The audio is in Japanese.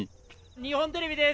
日本テレビです。